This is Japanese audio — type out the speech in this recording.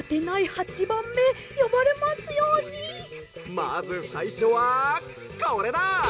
「まずさいしょはこれだ！